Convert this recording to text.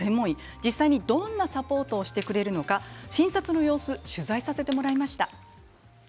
実際にどんなサポートをしてくれるのか診察の様子を取材させてもらいました。